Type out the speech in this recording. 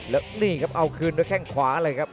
แล้วนี่ครับเอาคืนด้วยแข้งขวาเลยครับ